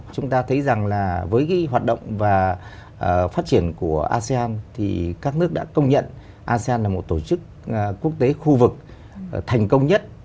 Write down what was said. chúng ta thấy rằng là với hoạt động và phát triển của asean thì các nước đã công nhận asean là một tổ chức quốc tế khu vực thành công nhất